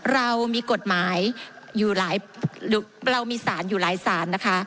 เรามีกฎหมายอยู่หลายเรามีสารอยู่หลายสารนะคะ